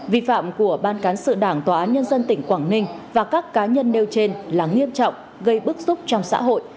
vi phạm của ban cán sự đảng tòa án nhân dân tỉnh quảng ninh và các cá nhân nêu trên là nghiêm trọng gây bức xúc trong xã hội